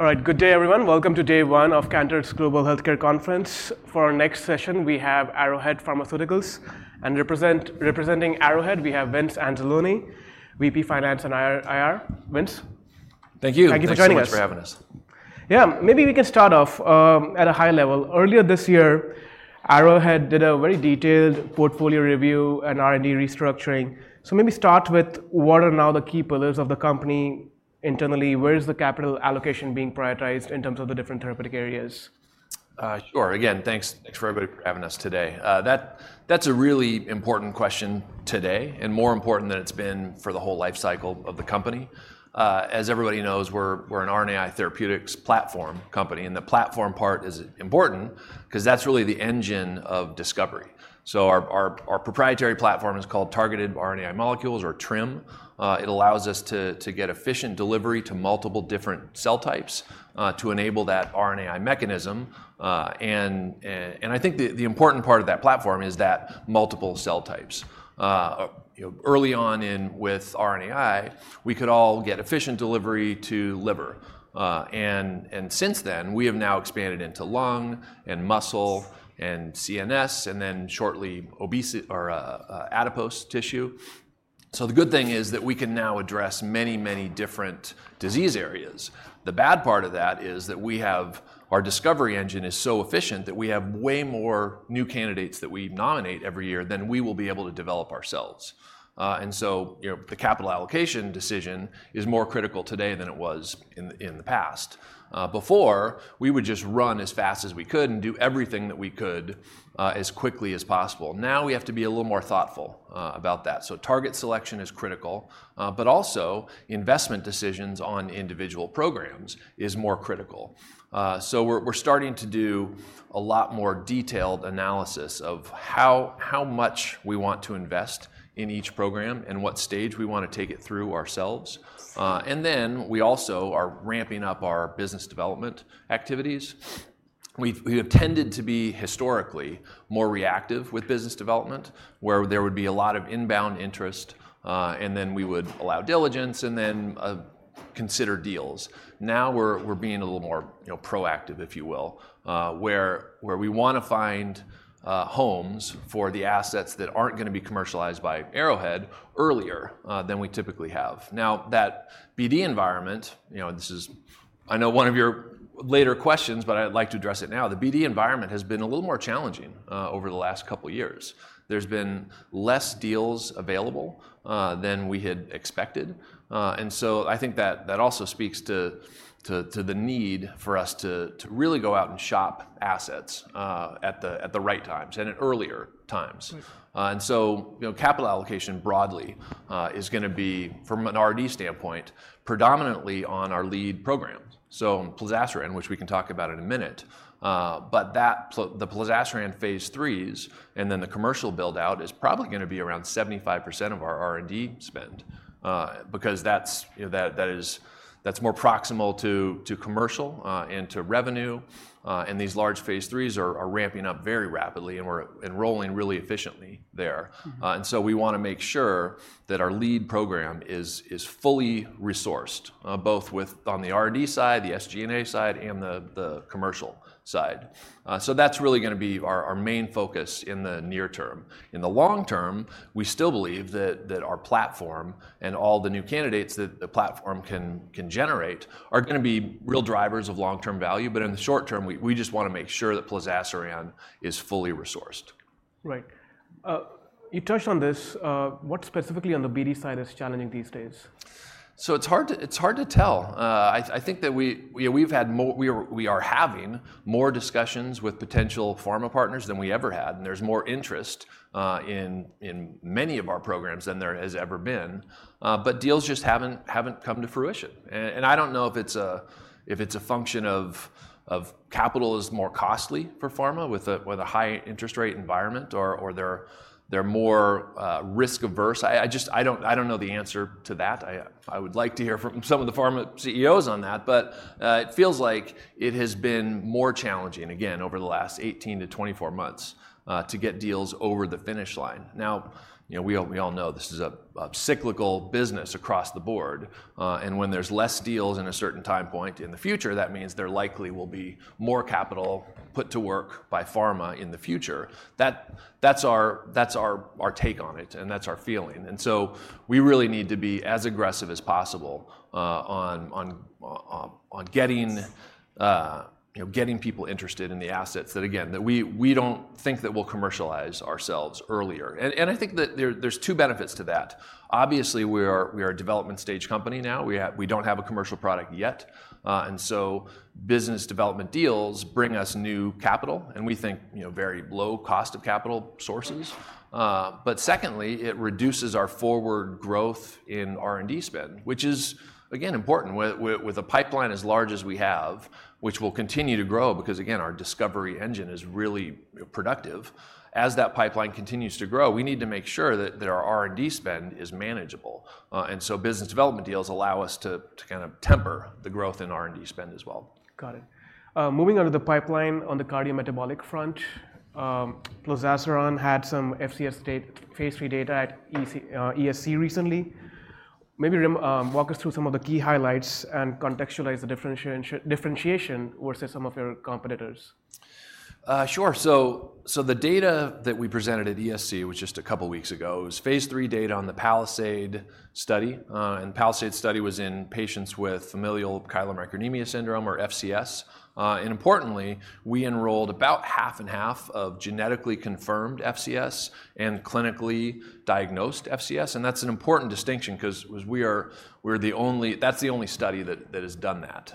All right, good day, everyone. Welcome to day one of Cantor's Global Healthcare Conference. For our next session, we have Arrowhead Pharmaceuticals, and representing Arrowhead, we have Vince Anzalone, VP, Finance and IR. Vince? Thank you Thank you for joining us Thanks so much for having us. Yeah, maybe we can start off at a high level. Earlier this year, Arrowhead did a very detailed portfolio review and R&D restructuring. So maybe start with, what are now the key pillars of the company internally? Where is the capital allocation being prioritized in terms of the different therapeutic areas? Sure. Again, thanks, everybody, for having us today. That, that's a really important question today, and more important than it's been for the whole life cycle of the company. As everybody knows, we're an RNAi therapeutics platform company, and the platform part is important 'cause that's really the engine of discovery. So our proprietary platform is called targeted RNAi molecules or TRiM. It allows us to get efficient delivery to multiple different cell types, to enable that RNAi mechanism. And I think the important part of that platform is that multiple cell types. You know, early on in with RNAi, we could all get efficient delivery to liver. And since then, we have now expanded into lung and muscle and CNS, and then shortly, obese- or, adipose tissue. The good thing is that we can now address many, many different disease areas. The bad part of that is that we have our discovery engine is so efficient that we have way more new candidates that we nominate every year than we will be able to develop ourselves. And so, you know, the capital allocation decision is more critical today than it was in the, in the past. Before, we would just run as fast as we could and do everything that we could, as quickly as possible. Now, we have to be a little more thoughtful, about that. So target selection is critical, but also investment decisions on individual programs is more critical. We're starting to do a lot more detailed analysis of how much we want to invest in each program and what stage we want to take it through ourselves. And then, we also are ramping up our business development activities. We have tended to be historically more reactive with business development, where there would be a lot of inbound interest, and then we would allow diligence and then consider deals. Now, we're being a little more, you know, proactive, if you will, where we wanna find homes for the assets that aren't gonna be commercialized by Arrowhead earlier than we typically have. Now, that BD environment, you know, this is, I know, one of your later questions, but I'd like to address it now. The BD environment has been a little more challenging over the last couple of years. There's been less deals available than we had expected, and so I think that also speaks to the need for us to really go out and shop assets at the right times and at earlier times. Mm. You know, capital allocation broadly is gonna be, from an R&D standpoint, predominantly on our lead program, so plozasiran, which we can talk about in a minute. But the plozasiran phase IIIs, and then the commercial build-out is probably gonna be around 75% of our R&D spend, because that's, you know, more proximal to commercial and to revenue. And these large phase IIIs are ramping up very rapidly, and we're enrolling really efficiently there. We wanna make sure that our lead program is fully resourced both with on the R&D side, the SG&A side, and the commercial side. So that's really gonna be our main focus in the near term. In the long term, we still believe that our platform and all the new candidates that the platform can generate are gonna be real drivers of long-term value. But in the short term, we just wanna make sure that plozasiran is fully resourced. Right. You touched on this. What specifically on the BD side is challenging these days? It's hard to tell. I think that we've had more. We're having more discussions with potential pharma partners than we ever had, and there's more interest in many of our programs than there has ever been. But deals just haven't come to fruition. And I don't know if it's a function of capital is more costly for pharma, with a high interest rate environment or they're more risk-averse. I just don't know the answer to that. I would like to hear from some of the pharma CEOs on that, but it feels like it has been more challenging, again, over the last 18 to 24 months, to get deals over the finish line. Now, you know, we all know this is a cyclical business across the board, and when there's less deals in a certain time point in the future, that means there likely will be more capital put to work by pharma in the future. That's our take on it, and that's our feeling, and so we really need to be as aggressive as possible, on getting people interested in the assets that, again, we don't think that we'll commercialize ourselves earlier. And I think that there's two benefits to that. Obviously, we are a development stage company now. We don't have a commercial product yet, and so business development deals bring us new capital, and we think, you know, very low cost of capital sources. But secondly, it reduces our forward growth in R&D spend, which is, again, important. With a pipeline as large as we have, which will continue to grow because, again, our discovery engine is really productive, as that pipeline continues to grow, we need to make sure that our R&D spend is manageable. And so business development deals allow us to kind of temper the growth in R&D spend as well. Got it. Moving on to the pipeline, on the cardiometabolic front. plozasiran had some FCS phase III data at ESC recently. Maybe walk us through some of the key highlights and contextualize the differentiation versus some of your competitors. Sure. So the data that we presented at ESC, which was just a couple of weeks ago, it was phase III data on the PALISADE study. And the PALISADE study was in patients with familial chylomicronemia syndrome or FCS. And importantly, we enrolled about half and half of genetically confirmed FCS and clinically diagnosed FCS, and that's an important distinction 'cause we're the only-- that's the only study that has done that.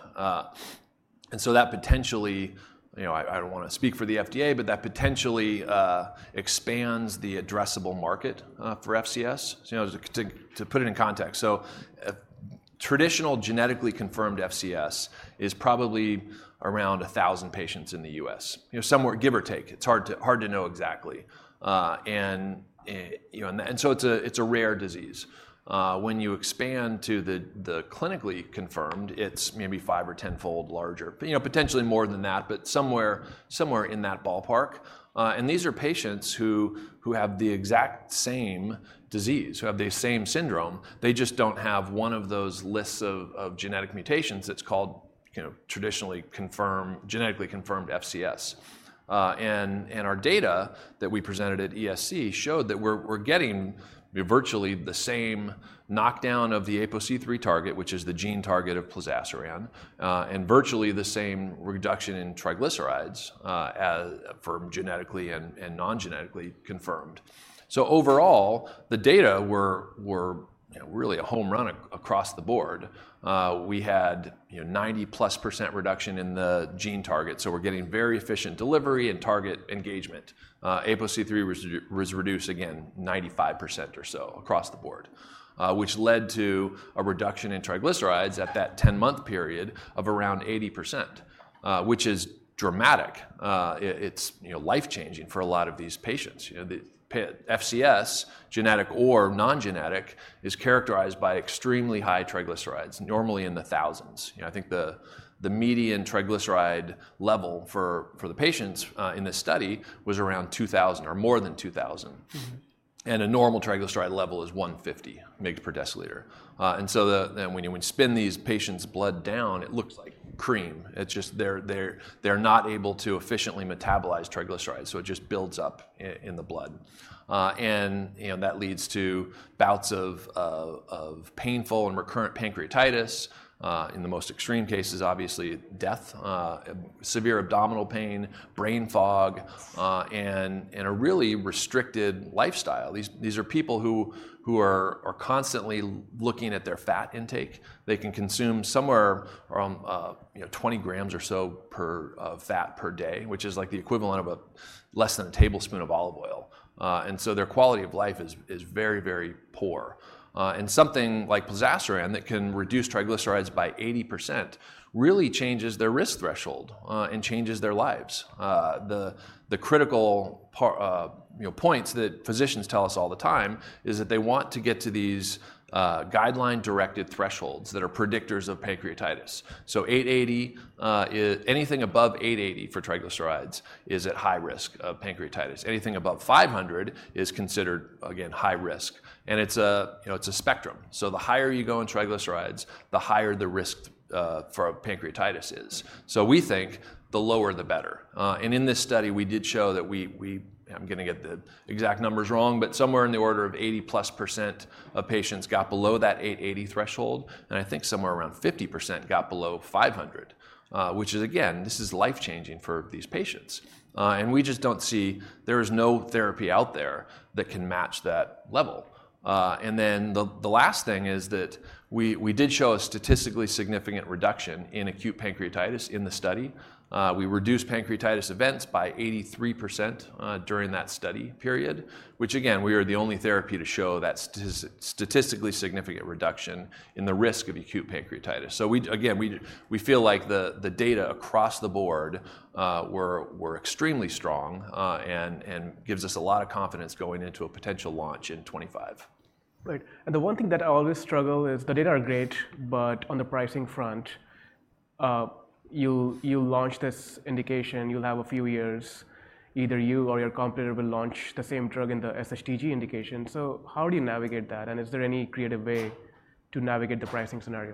And so that potentially, you know, I don't wanna speak for the FDA, but that potentially expands the addressable market for FCS. So, you know, to put it in context. So traditional genetically confirmed FCS is probably around a thousand patients in the U.S., you know, somewhere give or take. It's hard to know exactly. You know, and so it's a rare disease. When you expand to the clinically confirmed, it's maybe five or 10-fold larger, you know, potentially more than that, but somewhere in that ballpark. And these are patients who have the exact same disease, who have the same syndrome. They just don't have one of those lists of genetic mutations that's called, you know, traditionally confirmed, genetically confirmed FCS. And our data that we presented at ESC showed that we're getting virtually the same knockdown of the APOC3 target, which is the gene target of plozasiran, and virtually the same reduction in triglycerides, as for genetically and non-genetically confirmed. So overall, the data were, you know, really a home run across the board. We had, you know, 90+% reduction in the gene target, so we're getting very efficient delivery and target engagement. APOC3 was reduced, again, 95% or so across the board, which led to a reduction in triglycerides at that ten-month period of around 80%, which is dramatic. It's, you know, life-changing for a lot of these patients. You know, the FCS, genetic or non-genetic, is characterized by extremely high triglycerides, normally in the thousands. You know, I think the median triglyceride level for the patients in this study was around 2,000 or more than 2,000. A normal triglyceride level is 150 mg per deciliter. Then when you spin these patients' blood down, it looks like cream. It's just they're not able to efficiently metabolize triglycerides, so it just builds up in the blood. And, you know, that leads to bouts of painful and recurrent pancreatitis, in the most extreme cases, obviously, death, severe abdominal pain, brain fog, and a really restricted lifestyle. These are people who are constantly looking at their fat intake. They can consume somewhere around, you know, 20 grams or so of fat per day, which is like the equivalent of less than a tablespoon of olive oil. And so their quality of life is very, very poor. Something like plozasiran that can reduce triglycerides by 80%, really changes their risk threshold and changes their lives. The critical part, you know, points that physicians tell us all the time is that they want to get to these guideline-directed thresholds that are predictors of pancreatitis. So 880, anything above 880 for triglycerides is at high risk of pancreatitis. Anything above 500 is considered, again, high risk, and, you know, it's a spectrum. So the higher you go in triglycerides, the higher the risk for pancreatitis is. So we think the lower, the better. And in this study, we did show that we... I'm gonna get the exact numbers wrong, but somewhere in the order of 80+% of patients got below that 880 threshold, and I think somewhere around 50% got below 500. Which is, again, this is life-changing for these patients. And we just don't see. There is no therapy out there that can match that level. And then the last thing is that we did show a statistically significant reduction in acute pancreatitis in the study. We reduced pancreatitis events by 83%, during that study period, which again, we are the only therapy to show that statistically significant reduction in the risk of acute pancreatitis. So we again feel like the data across the board were extremely strong and gives us a lot of confidence going into a potential launch in 2025. Right. And the one thing that I always struggle is the data are great, but on the pricing front, you'll launch this indication, you'll have a few years, either you or your competitor will launch the same drug in the SHTG indication. So how do you navigate that, and is there any creative way to navigate the pricing scenario?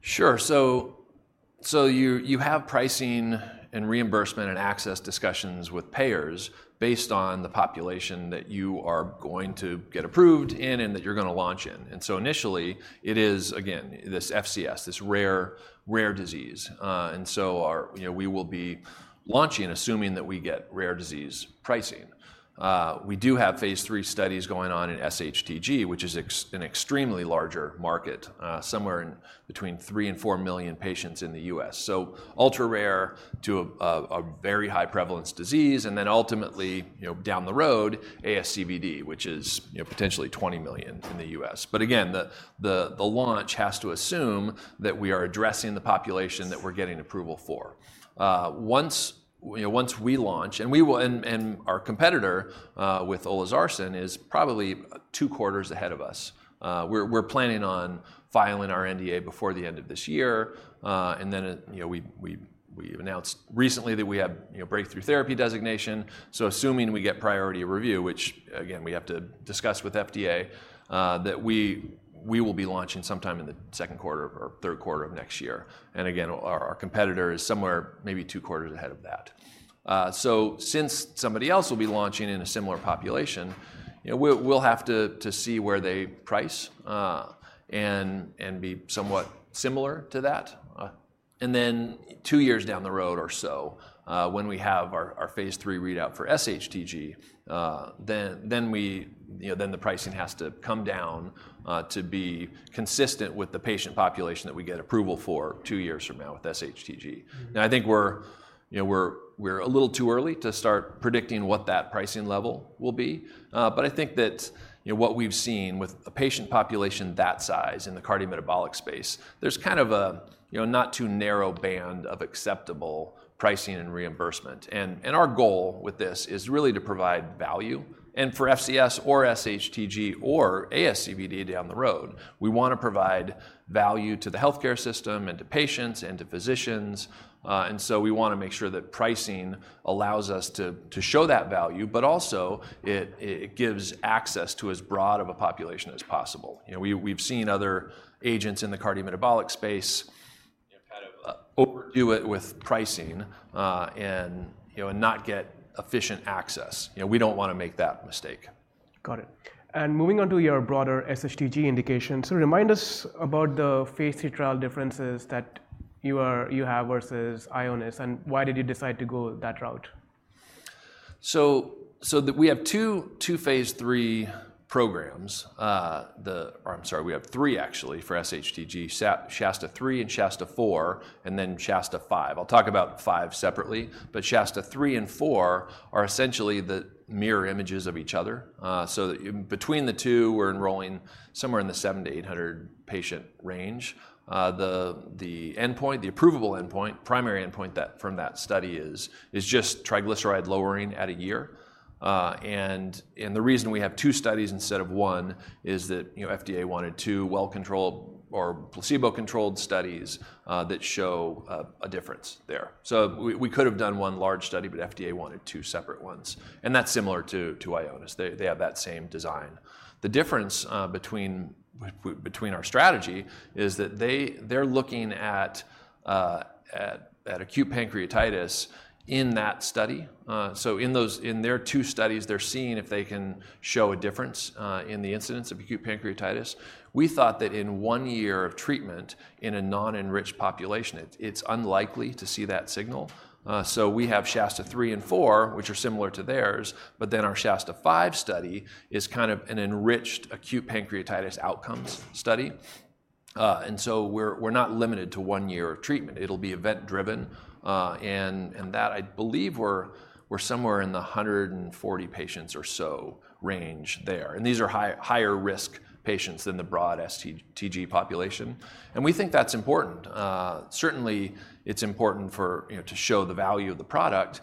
Sure. So you have pricing and reimbursement and access discussions with payers based on the population that you are going to get approved in and that you're gonna launch in. And so initially, it is, again, this FCS, this rare disease, and so our. You know, we will be launching, assuming that we get rare disease pricing. We do have phase III studies going on in SHTG, which is an extremely larger market, somewhere in between three and four million patients in the U.S. So ultra-rare to a very high prevalence disease, and then ultimately, you know, down the road, ASCVD, which is, you know, potentially 20,000,000 in the U.S. But again, the launch has to assume that we are addressing the population that we're getting approval for. Once-... You know, once we launch, and we will, our competitor with olezarsen is probably two quarters ahead of us. We're planning on filing our NDA before the end of this year. And then, you know, we've announced recently that we have, you know, Breakthrough Therapy Designation. So assuming we get priority review, which, again, we have to discuss with FDA, that we will be launching sometime in the second quarter or third quarter of next year. And again, our competitor is somewhere maybe two quarters ahead of that. Since somebody else will be launching in a similar population, you know, we'll have to see where they price, and be somewhat similar to that. And then two years down the road or so, when we have our phase III readout for SHTG, then we, you know, then the pricing has to come down to be consistent with the patient population that we get approval for two years from now with SHTG. Now, I think we're, you know, a little too early to start predicting what that pricing level will be. But I think that, you know, what we've seen with a patient population that size in the cardiometabolic space, there's kind of a, you know, not too narrow band of acceptable pricing and reimbursement. And our goal with this is really to provide value, and for FCS or SHTG or ASCVD down the road. We wanna provide value to the healthcare system, and to patients, and to physicians. And so we wanna make sure that pricing allows us to show that value, but also it gives access to as broad of a population as possible. You know, we've seen other agents in the cardiometabolic space, you know, kind of overdo it with pricing, and, you know, and not get efficient access. You know, we don't wanna make that mistake. Got it. And moving on to your broader SHTG indication, so remind us about the phase III trial differences that you have versus Ionis, and why did you decide to go that route? We have two phase III programs. Or I'm sorry, we have three actually, for SHTG, SHASTA-3 and SHASTA-4, and then SHASTA-5. I'll talk about five separately, but SHASTA-3 and SHASTA-4 are essentially the mirror images of each other. So between the two, we're enrolling somewhere in the seven to eight hundred patient range. The endpoint, the approvable endpoint, primary endpoint from that study is just triglyceride lowering at a year. And the reason we have two studies instead of one is that, you know, FDA wanted two well-controlled or placebo-controlled studies that show a difference there. So we could have done one large study, but FDA wanted two separate ones, and that's similar to Ionis. They have that same design. The difference between our strategy is that they're looking at acute pancreatitis in that study. So in their two studies, they're seeing if they can show a difference in the incidence of acute pancreatitis. We thought that in one year of treatment in a non-enriched population, it's unlikely to see that signal. So we have SHASTA-3 and SHASTA-4, which are similar to theirs, but then our SHASTA-5 study is kind of an enriched acute pancreatitis outcomes study. And so we're not limited to one year of treatment. It'll be event driven, and that I believe we're somewhere in the 140 patients or so range there, and these are higher-risk patients than the broad SHTG population, and we think that's important. Certainly, it's important for, you know, to show the value of the product.